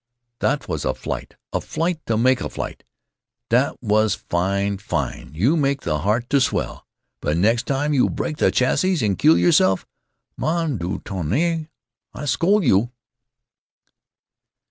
That was a flight, a flight, you make a flight, that was fine, fine, you make the heart to swell. But nex' time you break the chassis and keel yourself, nom d'un tonnerre, I scol' you!"